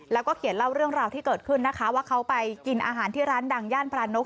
แล้วก็เขียนเล่าเรื่องราวที่เกิดขึ้นนะคะว่าเขาไปกินอาหารที่ร้านดังย่านพระนก